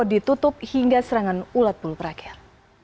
ditutup hingga serangan ulat bulu berakhir